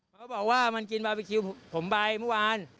เขาบอกว่ามันกินบาร์บีคิวผมไปเมื่อวาน